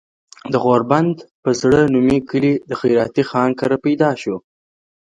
د غوربند پۀ زړه نومي کلي د خېراتي خان کره پيدا شو